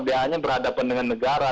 dia hanya berhadapan dengan negara